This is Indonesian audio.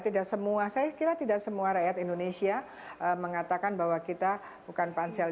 tidak semua saya kira tidak semua rakyat indonesia mengatakan bahwa kita bukan pansel